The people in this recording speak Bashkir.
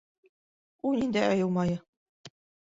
У ниндәй айыу майы?!